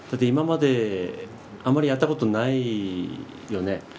今まであまりやったことないよね。